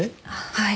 はい。